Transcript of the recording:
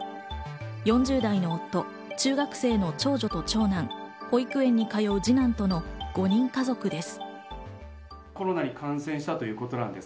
４０代の夫、中学生の長女と長男、保育園に通う二男との５人家族です。